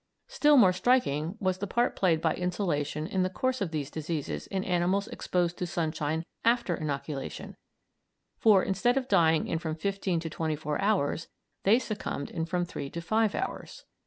Still more striking was the part played by insolation in the course of these diseases in animals exposed to sunshine after inoculation, for instead of dying in from fifteen to twenty four hours, they succumbed in from three to five hours.